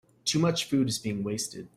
Too much food is being wasted.